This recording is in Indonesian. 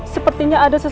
sepertinya ada sesuatu